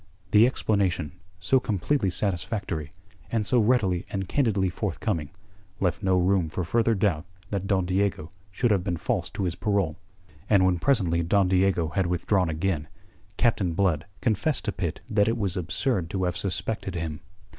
The explanation, so completely satisfactory, and so readily and candidly forthcoming, left no room for further doubt that Don Diego should have been false to his parole. And when presently Don Diego had withdrawn again, Captain Blood confessed to Pitt that it was absurd to have suspected him.